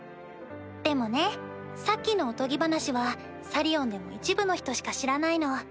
でもねさっきのおとぎ話はサリオンでも一部の人しか知らないの。